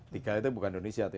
tiga itu bukan indonesia